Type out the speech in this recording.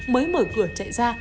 mới mở cửa chạy ra